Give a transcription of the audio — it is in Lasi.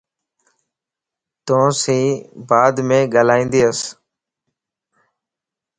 توسين بعد م ڳالھيائنداس